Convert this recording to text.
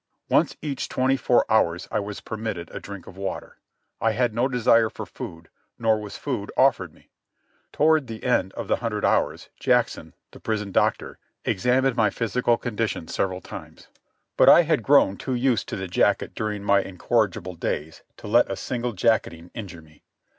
Once each twenty four hours I was permitted a drink of water. I had no desire for food, nor was food offered me. Toward the end of the hundred hours Jackson, the prison doctor, examined my physical condition several times. But I had grown too used to the jacket during my incorrigible days to let a single jacketing injure me.